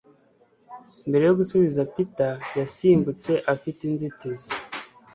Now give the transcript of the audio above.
Mbere yo gusubiza Peter yasimbutse afite inzitizi